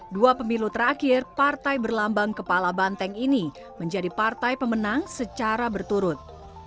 dua pemilu terakhir partai berlambang kepala banteng ini menjadi partai pemenang secara berturut